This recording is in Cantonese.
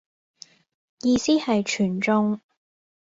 意思係全中